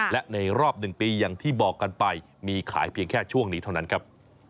และในรอบ๑ปีอย่างที่บอกกันไปมีขายเพียงแค่ช่วงนี้เท่านั้นครับ